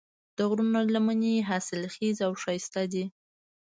د غرونو لمنې حاصلخیزې او ښایسته دي.